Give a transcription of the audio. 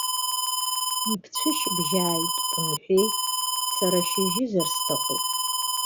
Ибцәышьыбжьааит рымҳәеи, сара шьыжьызар сҭахуп.